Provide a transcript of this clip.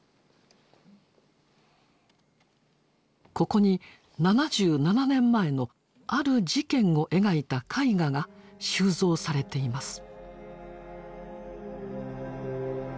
ここに７７年前のある事件を描いた絵画が収蔵されています。